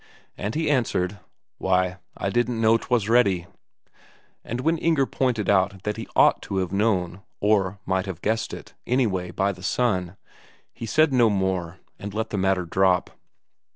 And he answered: "Why, I didn't know 'twas ready." But when Inger pointed out that he ought to have known, or might have guessed it, anyway, by the sun, he said no more, and let the matter drop.